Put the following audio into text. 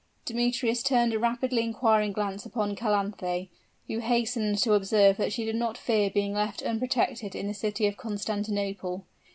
Demetrius turned a rapidly inquiring glance upon Calanthe, who hastened to observe that she did not fear being left unprotected in the city of Constantinople.